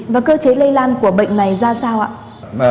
và cơ chế lây lan của bệnh này ra sao ạ